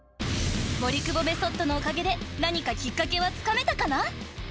［森久保メソッドのおかげで何かきっかけはつかめたかな？］